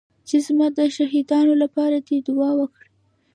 چې زما د شهيدانو لپاره دې دعا وکړي.